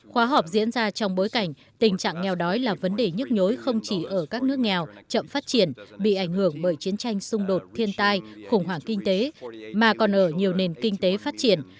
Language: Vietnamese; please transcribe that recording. khóa học diễn ra trong bối cảnh tình trạng nghèo đói là vấn đề nhức nhối không chỉ ở các nước nghèo chậm phát triển bị ảnh hưởng bởi chiến tranh xung đột thiên tai khủng hoảng kinh tế mà còn ở nhiều nền kinh tế phát triển